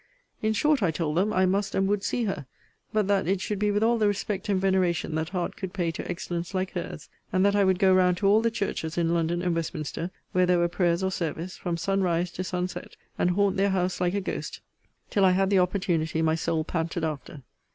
In short, I told them, I must and would see her: but that it should be with all the respect and veneration that heart could pay to excellence like her's: and that I would go round to all the churches in London and Westminster, where there were prayers or service, from sun rise to sun set, and haunt their house like a ghost, till I had the opportunity my soul panted after.